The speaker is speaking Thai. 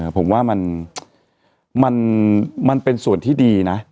ผมว่ามันเป็นส่วนที่ดีนะ